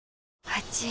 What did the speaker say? あちぃ。